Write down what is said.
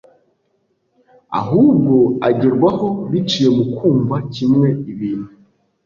ahubwo agerwaho biciye mu kumva kimwe ibintu